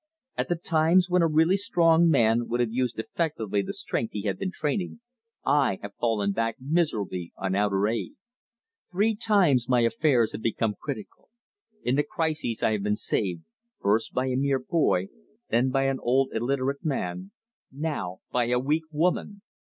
At the times when a really strong man would have used effectively the strength he had been training, I have fallen back miserably on outer aid. Three times my affairs have become critical. In the crises I have been saved, first by a mere boy; then by an old illiterate man; now by a weak woman!"